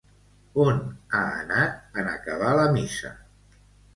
On ha anat en acabar la missa?